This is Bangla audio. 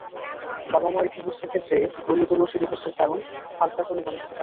বাবা-মায়ের ডিভোর্সের ক্ষেত্রে একটু পরিণত বয়সে ডিভোর্সের কারণ হালকা করে বলা যেতে পারে।